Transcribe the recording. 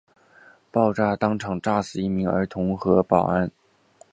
爆炸当场炸死一名儿童和一名保安。